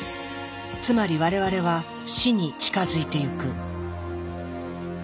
つまり我々は死に近づいていく。